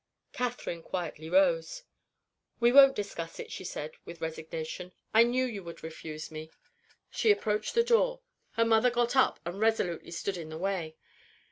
Catherine quietly rose. "We won't discuss it," she said, with resignation. "I knew you would refuse me." She approached the door. Her mother got up and resolutely stood in the way.